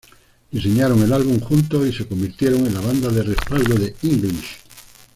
Diseñaron el álbum juntos y se convirtieron en la banda de respaldo de English.